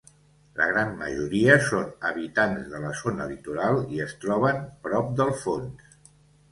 La gran majoria són habitants de la zona litoral i es troben prop del fons.